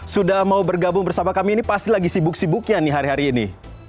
sudah mau bergabung bersama kami ini pasti lagi sibuk sibuknya nih hari hari ini